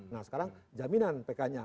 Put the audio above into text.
nah sekarang jaminan pknya